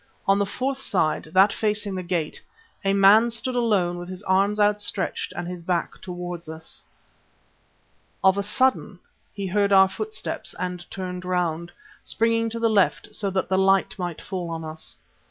On the fourth side, that facing the gate, a man stood alone with his arms outstretched and his back towards us. Of a sudden he heard our footsteps and turned round, springing to the left, so that the light might fall on us.